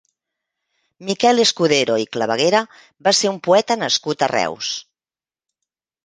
Miquel Escudero i Claveguera va ser un poeta nascut a Reus.